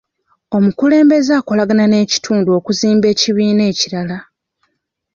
Omukulembeze akolagana n'ekitundu okuzimba ekibiina ekirala.